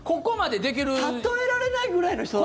例えられないぐらいの人なんだ。